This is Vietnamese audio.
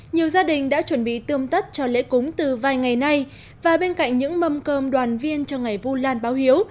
nhiều gia đình đã chuẩn bị tươm tất cho lễ cúng từ vài ngày nay và bên cạnh những mâm cơm đoàn viên cho ngày vu lan báo hiếu